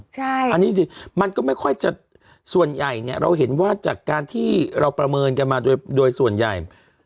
อันนี้จริงมันก็ไม่ค่อยจะส่วนใหญ่เนี่ยเราเห็นว่าจากการที่เราประเมินกันมาโดยส่วนใหญ่